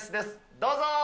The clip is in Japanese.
どうぞ。